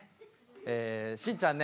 えしんちゃんね